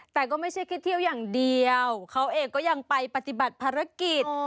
แต่ก็ไม่ใช่แค่เที่ยวอย่างเดียวเขาเองก็ยังไปปฏิบัติภารกิจ